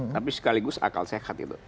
tapi sekaligus akal sehat gitu